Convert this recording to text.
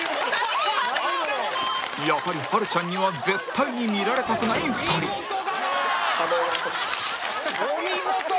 やはりはるちゃんには絶対に見られたくない２人お見事！